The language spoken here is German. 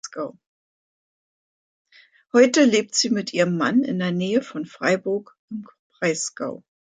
Heute lebt sie mit ihrem Mann in der Nähe von Freiburg im Breisgau.